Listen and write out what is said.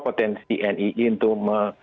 potensi nii untuk